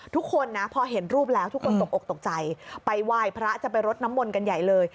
ทุกคนนะพอเห็นรูปแล้วทุกคนตกอกตกใจไปไหว้พระจะไปรดน้ำมนต์กันใหญ่เลย